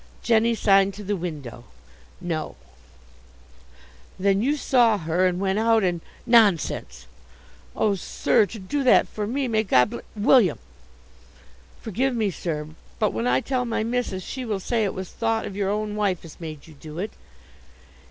"Jenny signed to the window." "No." "Then you saw her, and went out, and " "Nonsense!" "Oh, sir, to do that for me! May God bl " "William!" "Forgive me, sir, but when I tell my missis, she will say it was thought of your own wife as made you do it."